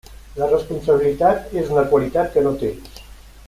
La responsabilitat és una qualitat que no tens.